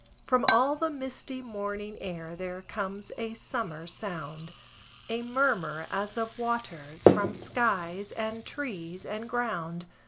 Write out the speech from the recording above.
From all the misty morning air there comes a summer sound A murmur as of waters from skies and trees and ground.